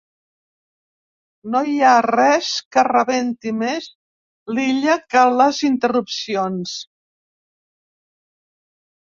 No hi ha res que rebenti més l'Illa que les interrupcions.